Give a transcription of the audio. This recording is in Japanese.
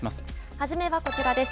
初めはこちらです。